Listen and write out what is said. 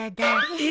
えっ。